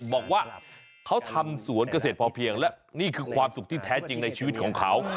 บอกว่าเขาทำสวนเกษตรพอเพียงและนี่คือความสุขที่แท้จริงในชีวิตของเขา